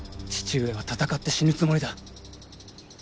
父上は戦って死ぬつもりだ。